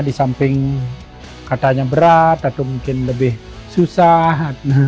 di samping katanya berat atau mungkin lebih susah